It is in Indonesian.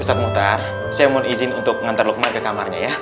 ustadz mutar saya mohon izin untuk mengantar lukmar ke kamarnya ya